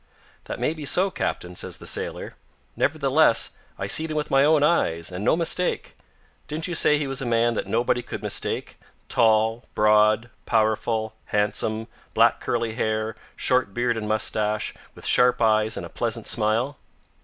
"That may be so, captain," says the sailor: "nevertheless I seed him with my own eyes, an no mistake. Didn't you say he was a man that nobody could mistake, tall, broad, powerful, handsome, black curly hair, short beard and moustache, with sharp eyes and a pleasant smile?"